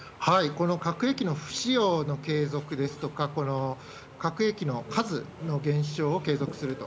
この核兵器の不使用の継続ですとか、この核兵器の数の減少を継続すると。